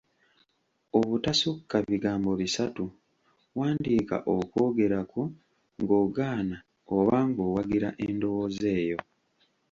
Obutasukka bigambo bisatu; wandiika okwogera kwo ng’ogaana oba ng’owagira endowooza eyo.